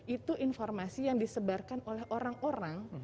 itu informasi yang disebarkan oleh orang orang